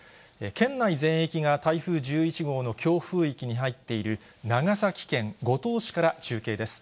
県内全域が台風１１号の強風域に入っている、長崎県五島市から中継です。